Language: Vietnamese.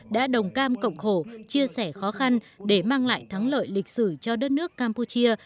đã đồng cam cộng khổ chia sẻ khó khăn để mang lại thắng lợi lịch sử cho đất nước campuchia